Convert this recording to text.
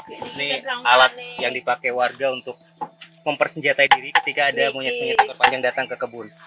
ini alat yang dipakai warga untuk mempersenjatai diri ketika ada monyet monyet ekor panjang datang ke kebun